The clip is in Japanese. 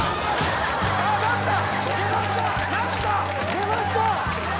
出ました！